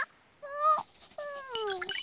うん。